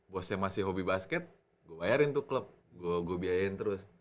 bosnya masih hobi basket gue bayarin tuh klub gue biayain terus